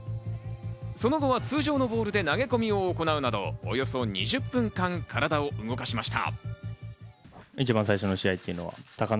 その後は通常のボールで投げ込みを行うなど、およそ２０分間、体を動かしました。